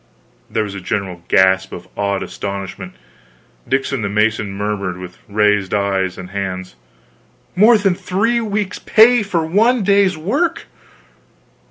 There was a general gasp of awed astonishment, Dickon the mason murmured, with raised eyes and hands: "More than three weeks' pay for one day's work!"